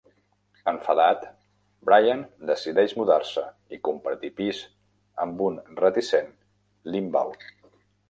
Enfadat, Brian decideix mudar-se i compartir pis amb un reticent Limbaugh.